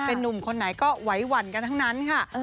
เป็นนุ่มคนไหนก็ไหวหวั่นกันทั้งนั้นค่ะ